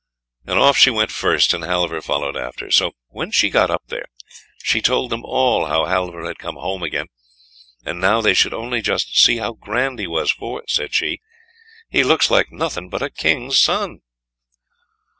And off she went first, and Halvor followed after. So, when she got up there, she told them all how Halvor had come home again, and now they should only just see how grand he was, for, said she, "he looks like nothing but a King's son."